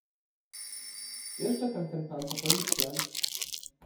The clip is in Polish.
Wiesz, że tamten pan to policjant?